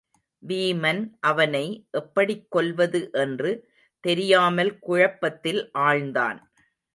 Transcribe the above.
வீமன் அவனை எப்படிக் கொல்வது என்று தெரியாமல் குழப்பத்தில் ஆழ்ந்தான்.